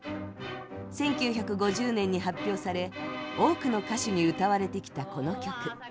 １９５０年に発表され多くの歌手に歌われてきたこの曲。